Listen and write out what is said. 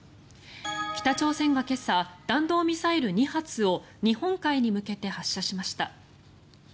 北朝鮮が今朝弾道ミサイル２発を日本海に向けて発射しました。